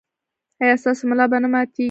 ایا ستاسو ملا به نه ماتیږي؟